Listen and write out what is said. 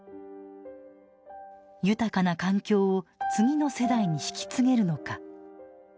「豊かな環境を次の世代に引き継げるのか」。